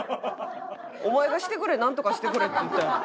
お前がしてくれなんとかしてくれって言った。